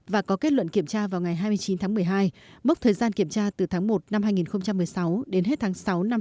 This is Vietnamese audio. và có kết luận kiểm tra vào ngày hai mươi chín một mươi hai mốc thời gian kiểm tra từ tháng một hai nghìn một mươi sáu đến hết tháng sáu hai nghìn một mươi chín